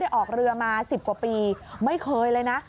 ได้ออกเรือมาสิบปีไม่เคยเลยนะ